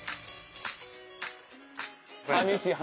寂しい話。